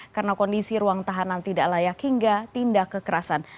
karena kondisi ruang tahanan tidak layak hingga tindak kekerasan